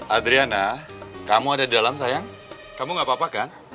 adriana kamu ada di dalam sayang kamu gak apa apa kan